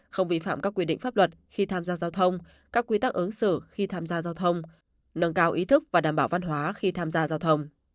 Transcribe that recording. không vi phạm các quy định pháp luật khi tham gia giao thông các quy tắc ứng xử khi tham gia giao thông nâng cao ý thức và đảm bảo văn hóa khi tham gia giao thông